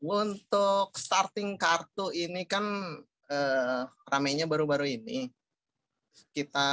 untuk starting kartu ini kan ramenya baru baru ini